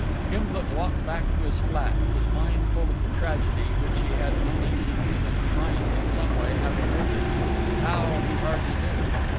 Gimblet walked back to his flat, his mind full of the tragedy which he had an uneasy feeling he might, in some way, have averted. How, he hardly knew.